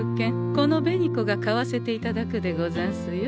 この紅子が買わせていただくでござんすよ。